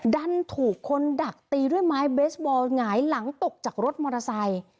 ดันถูกคนดักตีด้วยไม้เบสบอลหงายหลังตกจากรถมอเตอร์ไซค์